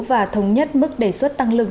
và thống nhất mức đề xuất tăng lương